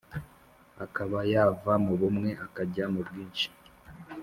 akaba yava mu bumwe akajya mu bwinshi.